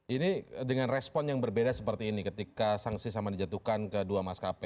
ini dengan respon yang berbeda seperti ini ketika sanksi sama dijatuhkan ke dua maskapai